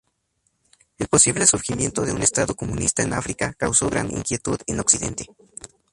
El posible surgimiento de un estado comunista en África causó gran inquietud en Occidente.